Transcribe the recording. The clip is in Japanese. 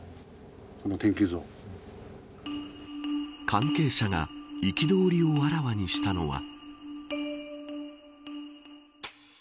関係者が憤りをあらわにしたのが。